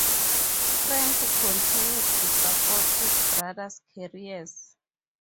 Frank continued to support his brothers' careers.